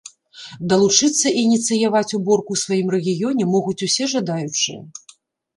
Далучыцца і ініцыяваць уборку ў сваім рэгіёне могуць усе жадаючыя!